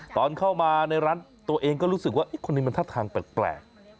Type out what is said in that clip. ตอนเข้ามาในร้านตัวเองก็รู้สึกว่าคนนี้มันท่าทางแปลก